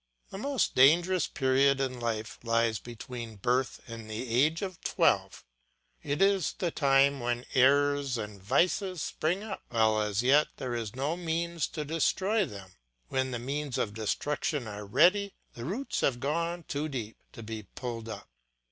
The most dangerous period in human life lies between birth and the age of twelve. It is the time when errors and vices spring up, while as yet there is no means to destroy them; when the means of destruction are ready, the roots have gone too deep to be pulled up.